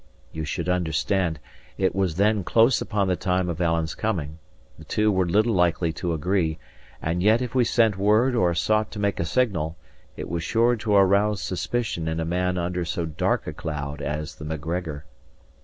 You should understand, it was then close upon the time of Alan's coming; the two were little likely to agree; and yet if we sent word or sought to make a signal, it was sure to arouse suspicion in a man under so dark a cloud as the Macgregor.